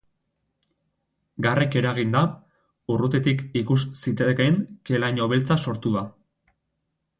Garrek eraginda, urrutitik ikus zitekeen ke-laino beltza sortu da.